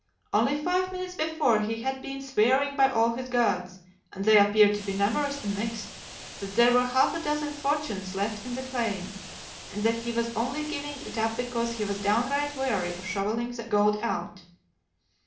Only five minutes before he had been swearing by all his gods and they appeared to be numerous and mixed that there were half a dozen fortunes left in the claim, and that he was only giving it up because he was downright weary of shovelling the gold out.